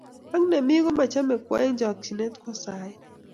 ak nemi komache kwo eng' chakchinet kwo sai